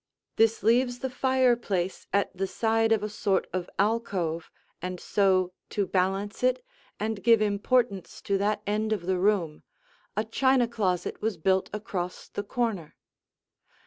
This leaves the fireplace at the side of a sort of alcove and so, to balance it and give importance to that end of the room, a china closet was built across the corner.